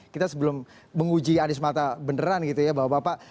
kita sebelum menguji anies mata beneran gitu ya bahwa bapak